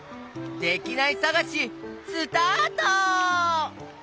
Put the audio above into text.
できないさがしスタート！